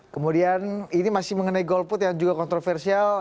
kemudian ini masih mengenai golput yang juga kontroversial